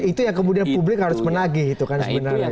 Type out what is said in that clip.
itu yang kemudian publik harus menagih itu kan sebenarnya